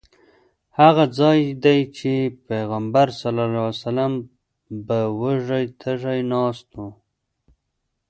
هماغه ځای دی چې پیغمبر به وږی تږی ناست و.